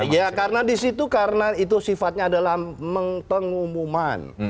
ya karena di situ karena itu sifatnya adalah pengumuman